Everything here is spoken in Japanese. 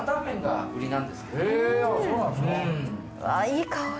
いい香り。